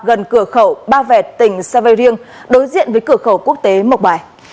gần cửa khẩu ba vẹt tỉnh sa vê riêng đối diện với cửa khẩu quốc tế mộc bài